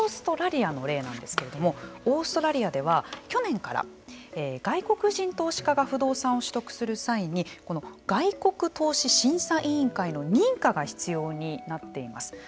オーストラリアの例なんですけれどもオーストラリアでは去年から外国人投資家が土地を購入する際にこの外国投資審査委員会の認可が必要になっています。